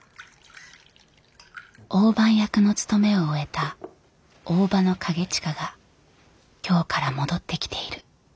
大番役の務めを終えた大庭景親が京から戻ってきている。